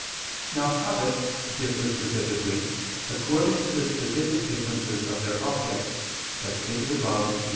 Now habits differ specifically according to the specific differences of their objects, as stated above (Q.